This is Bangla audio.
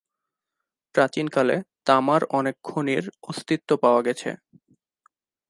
প্রাচীনকালে তামার অনেক খনির অস্তিত্ব পাওয়া গেছে।